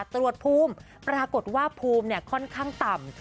ตรวจภูมิปรากฏว่าภูมิค่อนข้างต่ำ